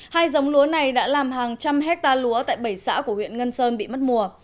hai giống lúa này đã làm hàng trăm hectare lúa tại bảy xã của huyện ngân sơn bị mất mùa